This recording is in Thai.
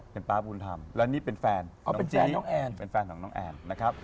เป็นป๊าบุญธรรมและนี่เป็นแฟนเป็นแฟนของน้องแอนนะครับ